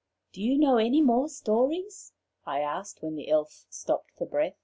"Do you know any more stories?" I asked when the Elf stopped for breath.